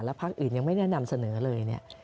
และภาคอื่นยังไม่แนะนำเสนอเลยเนี่ย